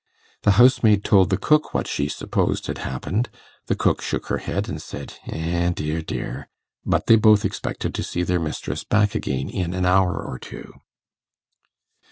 The housemaid told the cook what she supposed had happened; the cook shook her head and said, 'Eh, dear, dear!' but they both expected to see their mistress back again in an hour or two.